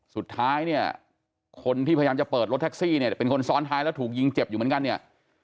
สุดท้ายเนี่ยคนที่พยายามจะเปิดรถแท็กซี่เนี่ยเป็นคนซ้อนท้ายแล้วถูกยิงเจ็บอยู่เหมือนกันเนี่ย